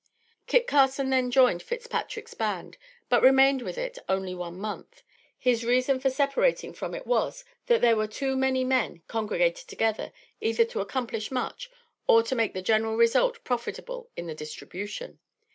Kit Carson then joined Fitzpatrick's band, but remained with it only one month. His reason for separating from it was, that there were too many men congregated together either to accomplish much, or to make the general result profitable in the distribution.